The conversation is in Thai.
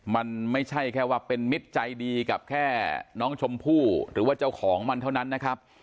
มันไม่ใช่แค่ว่าเป็นมิตรใจดีกับแค่น้องชมพู่หรือว่าเจ้าของมันเท่านั้นนะครับ